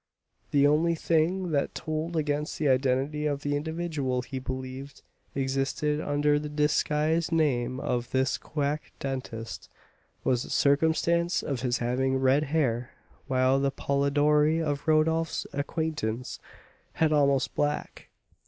The only thing that told against the identity of the individual he believed existed under the disguised name of this quack dentist was the circumstance of his having red hair, while the Polidori of Rodolph's acquaintance had almost black.